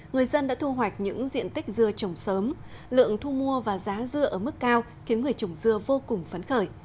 người dân đã thu hoạch những diện tích dưa trồng sớm lượng thu mua và giá dưa ở mức cao khiến người trồng dưa vô cùng phấn khởi